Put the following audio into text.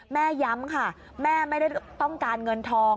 ย้ำค่ะแม่ไม่ได้ต้องการเงินทอง